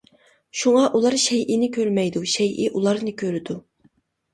شۇڭا ئۇلار شەيئىنى كۆرمەيدۇ، شەيئى ئۇلارنى كۆرىدۇ.